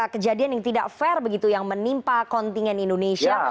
kejadian yang tidak fair begitu yang menimpa kontingen indonesia